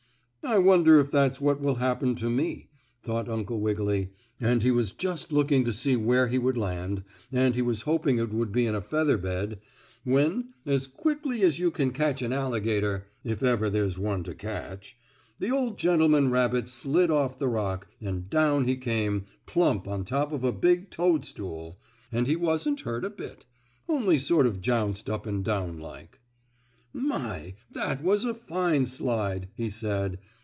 "I wonder if that's what will happen to me?" thought Uncle Wiggily, and he was just looking to see where he would land, and he was hoping it would be in a feather bed, when, as quickly as you can catch an alligator, if ever there's one to catch, the old gentleman rabbit slid off the rock, and down he came, plump on top of a big toadstool, and he wasn't hurt a bit; only sort of jounced up and down like. "My! That was a fine slide," he said.